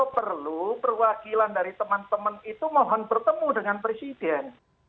perlu perwakilan dari teman teman itu mohon bertemu dengan presiden